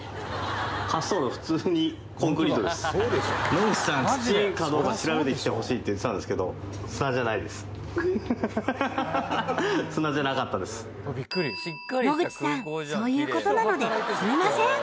野口さん土かどうか調べてきてほしいって言ってたんですけど野口さんそういう事なのですみません。